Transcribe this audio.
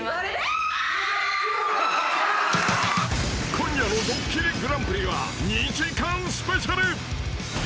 ［今夜の『ドッキリＧＰ』は２時間スペシャル］